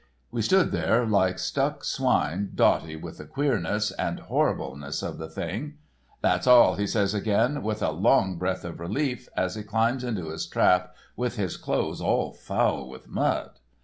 We stood there like stuck swine, dotty with the queerness, the horribleness of the thing. "'That's all,' he says again, with a long breath of relief, as he climbs into his trap with his clothes all foul with mud.